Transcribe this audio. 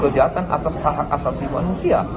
kejahatan atas hak hak asasi manusia